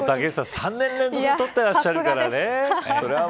３年連続取ってらっしゃるからね。